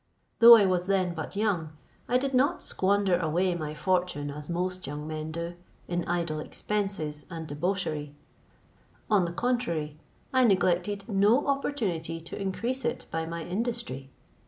Though I was then but young, I did not squander away my fortune as most young men do, in idle expenses and debauchery; on the contrary, I neglected no opportunity to increase it by my industry.